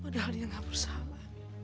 padahal dia berusaha